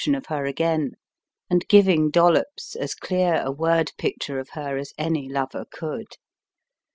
tion of her again, and giving Dollops as clear a word picture of her as any lover could.